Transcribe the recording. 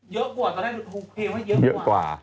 เยอะกว่าตอนแรกหนูโทรเพลงให้เยอะกว่า